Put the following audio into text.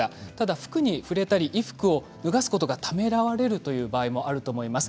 服に触れたり衣服を脱がすことがためらわれるという場合もあると思います。